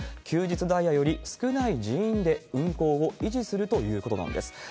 休日ダイヤより少ない人員で運行を維持するということなんです。